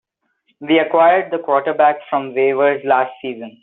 We acquired the quarterback from waivers last season.